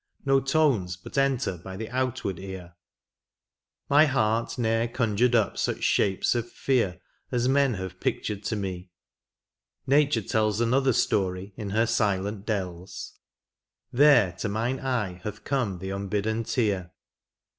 No tones but enter by the outward ear ? My heart ne er conjured up such shapes of fear As men have pictured to me, nature tells Another story in her silent dells, Thercy to mine eye hath come the unbidden tear.